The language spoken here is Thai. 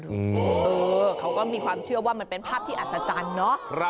เออเขาก็มีความเชื่อว่ามันเป็นภาพที่อัศจรรย์เนาะ